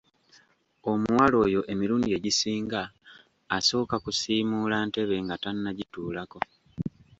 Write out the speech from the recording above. Omuwala oyo emirundi egisinga asooka kusiimuula ntebe nga tannagituulako.